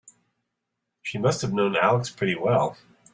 She must have known Alex pretty well.